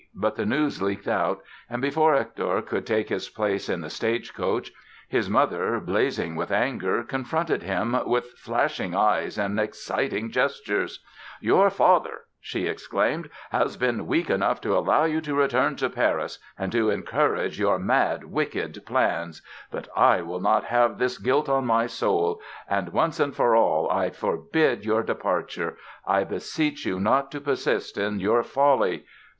But the news leaked out and before Hector could take his place in the stage coach his mother, blazing with anger, confronted him "with flashing eyes and exciting gestures": "Your father", she exclaimed, "has been weak enough to allow you to return to Paris and to encourage your mad, wicked plans; but I will not have this guilt on my soul and, once and for all, I forbid your departure ... I beseech you not to persist in your folly!